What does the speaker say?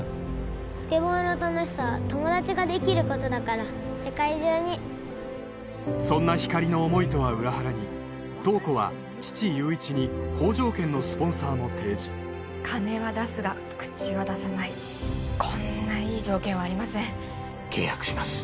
スケボーの楽しさは友達ができることだから世界中にそんなひかりの思いとは裏腹に塔子は父・悠一に好条件のスポンサーも提示金は出すが口は出さないこんないい条件はありません契約します